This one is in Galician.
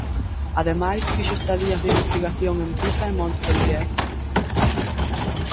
Ademais fixo estadías de investigación en Pisa e Montpellier.